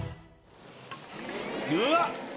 うわっ！